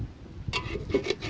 ibu yang balik